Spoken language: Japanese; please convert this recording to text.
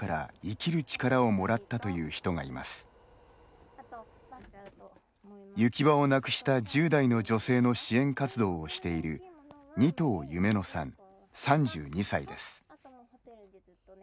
行き場をなくした１０代の女性の支援活動をしている仁藤夢乃さん、３２歳です。